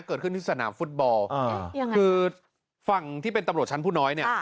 เกิดขึ้นที่สนามฟุตบอลคือฝั่งที่เป็นตำรวจชั้นผู้น้อยเนี่ย